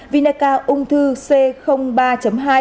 vinaca ung thư c ba hai